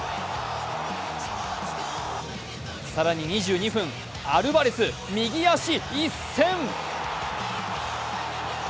更に２２分、アルバレス、右足一閃。